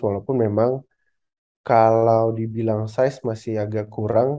walaupun memang kalau dibilang size masih agak kurang